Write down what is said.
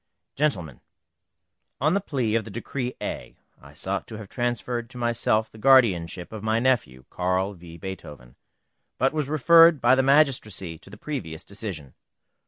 GENTLEMEN, On the plea of the Decree A, I sought to have transferred to myself the guardianship of my nephew, Carl v. Beethoven, but was referred by the magistracy to the previous decision.